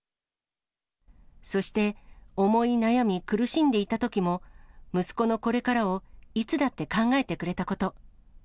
そして、思い悩み、苦しんでいたときも、息子のこれからをいつだって考えてくれたこと。